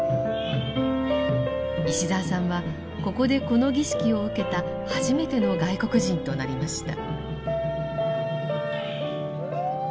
石澤さんはここでこの儀式を受けた初めての外国人となりました。